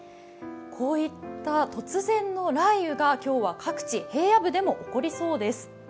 こういった突然の雷雨が今日は各地、平野部でも起こりそうです。